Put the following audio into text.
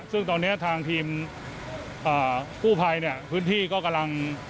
ซึ่งตอนนี้ทางทีมกู้ภัยเนี่ยพื้นที่ก็กำลัง